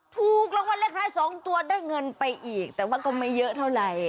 ถูกรางวัลเลขท้าย๒ตัวได้เงินไปอีกแต่ว่าก็ไม่เยอะเท่าไหร่